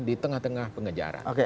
di tengah tengah pengejaran